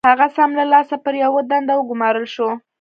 هغه سم له لاسه پر يوه دنده وګومارل شو.